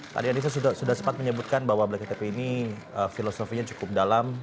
tadi anissa sudah sempat menyebutkan bahwa black ktp ini filosofinya cukup dalam